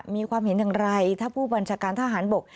มีความเห็นอย่างไรถ้าผู้บัญชาการทหารบก